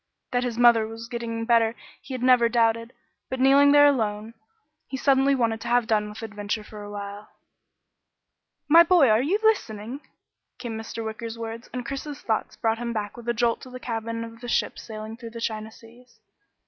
That his mother was getting better he had never doubted, but kneeling there alone, he suddenly wanted to have done with adventure for a while. "My boy are you listening?" came Mr. Wicker's words, and Chris's thoughts brought him back with a jolt to the cabin of a ship sailing the China seas.